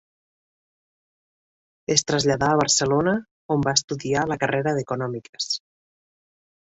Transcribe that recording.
Es traslladà a Barcelona, on va estudiar la carrera d'Econòmiques.